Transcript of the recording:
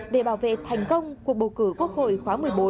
để bảo vệ thành công cuộc bầu cử quốc hội khóa một mươi bốn